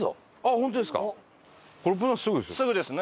本当ですか？